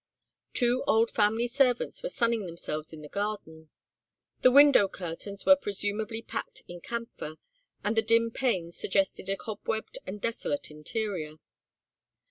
Two old family servants were sunning themselves in the garden. The window curtains were presumably packed in camphor, and the dim panes suggested a cobwebbed and desolate interior.